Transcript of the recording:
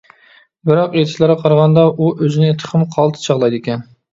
بىراق ئېيتىشلارغا قارىغاندا، ئۇ ئۆزىنى تېخىمۇ قالتىس چاغلايدىكەن.